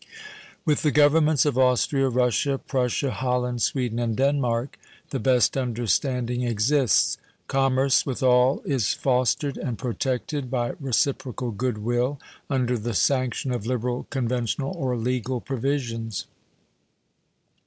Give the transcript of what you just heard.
With the Governments of Austria, Russia, Prussia, Holland, Sweden, and Denmark the best understanding exists. Commerce with all is fostered and protected by reciprocal good will under the sanction of liberal conventional or legal provisions.